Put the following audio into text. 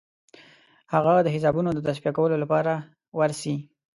هغه د حسابونو د تصفیه کولو لپاره ورسي.